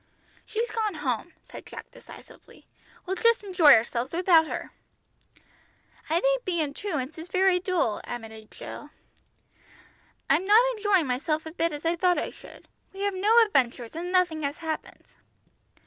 "She's gone home," said Jack decisively. "We'll just enjoy ourselves without her." "I think being truants is very dull," admitted Jill. "I'm not enjoying myself a bit as I thought I should. We have no adventures, and nothing has happened."